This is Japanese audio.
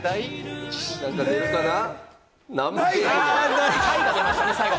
何か出るかな？